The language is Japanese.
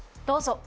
どうぞ。